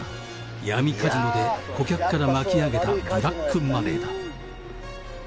「闇カジノで顧客から巻き上げたブラックマネーだ」